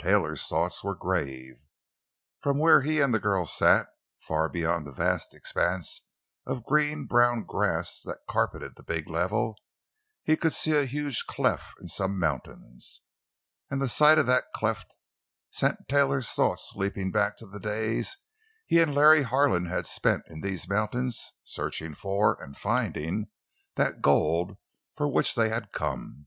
Taylor's thoughts were grave. For from where he and the girl sat—far beyond the vast expanse of green brown grass that carpeted the big level—he could see a huge cleft in some mountains. And the sight of that cleft sent Taylor's thoughts leaping back to the days he and Larry Harlan had spent in these mountains, searching for—and finding—that gold for which they had come.